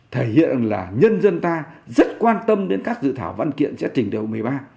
thể hiện là nhân dân ta rất quan tâm đến các dự thảo văn kiện sẽ trình điều một mươi ba